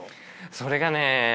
それがね